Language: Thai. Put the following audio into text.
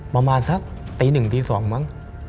ประมาณสักตีหนึ่งตีสองมั้ง